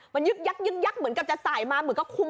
มันยึกยักยึกยักเหมือนกับจะสายมาเหมือนกับคุม